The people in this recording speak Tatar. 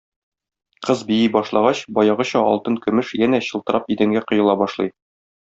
Кыз бии башлагач, баягыча алтын-көмеш янә чылтырап идәнгә коела башлый.